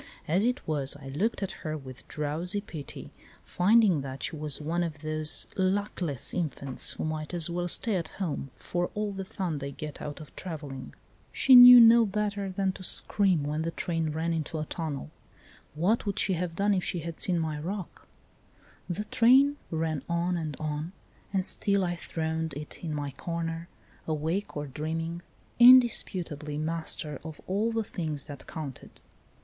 As it was, I looked at her with drowsy pity, finding that she was one of those luck less infants who might as well stay at home for all the fun they get out of travelling. She knew no better than to scream when the train ran into a tunnel ; what would she have done if she had seen my roc? The train ran on and on, and still I throned it in my corner, awake or dream ing, indisputably master of all the things that counted.